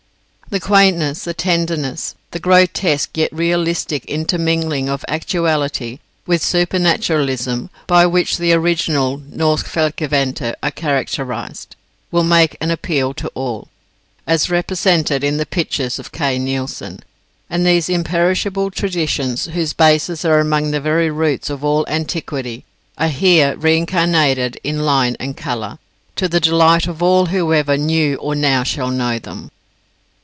The quaintness, the tenderness, the grotesque yet realistic intermingling of actuality with supernaturalism, by which the original Norske Folkeeventyr are characterised, will make an appeal to all, as represented in the pictures of Kay Nielsen. And these imperishable traditions, whose bases are among the very roots of all antiquity, are here reincarnated in line and colour, to the delight of all who ever knew or now shall know them.